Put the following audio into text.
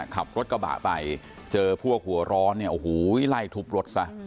ขับรถกระบะไปเจอพวกหัวร้อนเนี่ยโอ้โหไล่ทุบรถซะ